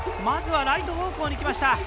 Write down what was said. まずはライト方向にきました。